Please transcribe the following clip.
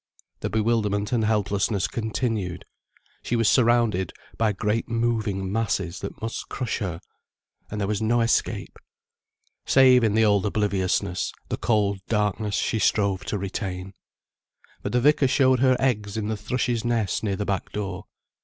The bewilderment and helplessness continued, she was surrounded by great moving masses that must crush her. And there was no escape. Save in the old obliviousness, the cold darkness she strove to retain. But the vicar showed her eggs in the thrush's nest near the back door.